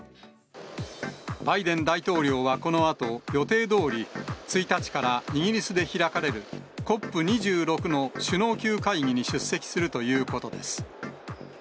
バイデン大統領はこのあと、予定どおり、１日からイギリスで開かれるＣＯＰ２６の首脳級会議に出席するということです。